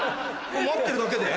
待ってるだけで？